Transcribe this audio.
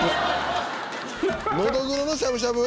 「ノドグロのしゃぶしゃぶ？」